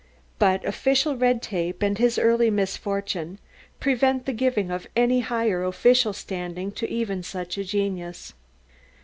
But official red tape, and his early misfortune... prevent the giving of any higher official standing to even such a genius.